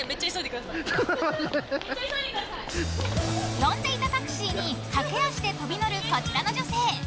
呼んでいたタクシーに駆け足で飛び乗るこちらの女性。